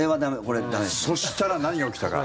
そしたら何が起きたか。